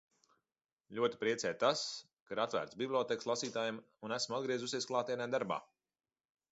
Ļoti priecē tas, ka ir atvērtas bibliotēkas lasītājiem un esmu atgriezusies klātienē darbā.